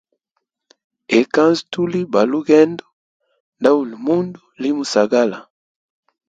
Ekanza tuli ba lugendo, ndauli mundu limusagala.